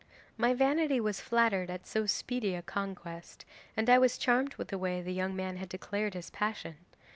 'My vanity was flattered at so speedy a conquest, and I was charmed with the way the young man had declared his passion.